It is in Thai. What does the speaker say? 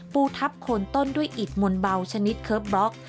ปูทับโคนต้นด้วยอิดมนต์เบาชนิดเคิร์ฟบล็อก